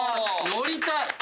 乗りたい！